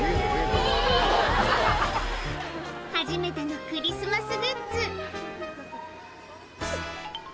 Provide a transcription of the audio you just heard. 初めてのクリスマスグッズ。